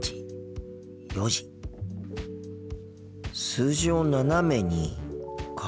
「数字を斜めに」か。